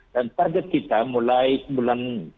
dan target kita mulai bulan